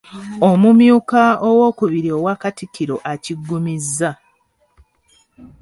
Omumyuka owookubiri owa Katikkiro akiggumizza.